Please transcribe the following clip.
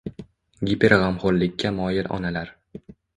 Giperg‘amxo‘rlikka moyil onalar